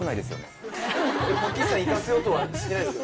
パキスタン行かせようとはしてないですよね？